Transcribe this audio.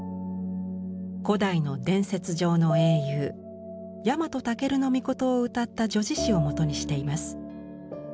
古代の伝説上の英雄倭建命をうたった叙事詩をもとにしています。